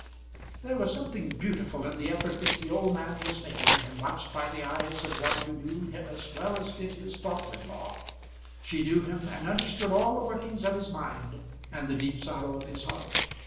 There was something beautiful in the effort which the old man was making when watched by the eyes of one who knew him as well as did his daughter in law. She knew him, and understood all the workings of his mind, and the deep sorrow of his heart.